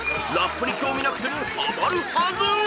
［ラップに興味なくてもハマるはず］フゥ！